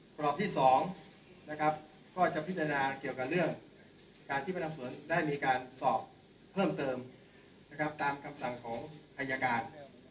กรอบที่๒ก็จะพิจารณาเกี่ยวกับเรื่องการที่พนักศูนย์ได้มีการสอบเพิ่มเติมตามคำสั่งของพญากาศ